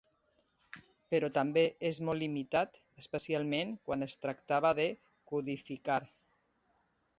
Però també era molt limitat, especialment quan es tractava de codificar.